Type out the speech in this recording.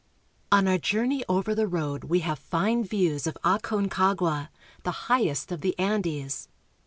On our journey over the road we have fine views of 122 CHILE. Aconcagua, the highest of the Andes.